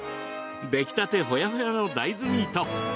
出来たてほやほやの大豆ミート。